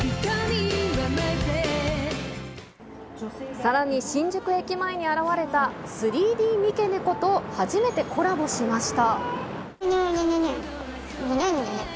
さらに、新宿駅前に現れた３Ｄ三毛猫と初めてコラボしました。